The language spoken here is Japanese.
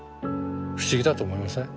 不思議だと思いません？